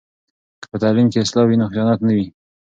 که په تعلیم کې اصلاح وي نو خیانت نه وي.